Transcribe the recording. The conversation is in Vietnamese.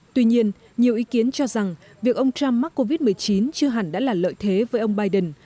tuy nhiên nhiều ý kiến cho rằng việc ông trump mắc covid một mươi chín chưa hẳn đã là lợi thế với ông biden